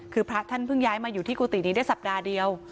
คือพระท่านเพิ่งย้ายมาอยู่ที่กุฏินี้ได้สัปดาห์เดียว